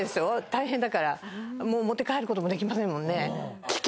大変だから持って帰ることもできませんもんね